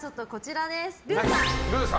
ルーさん。